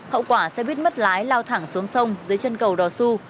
hậu quả xe buýt mất lái lao thẳng xuống sông dưới chân cầu đò su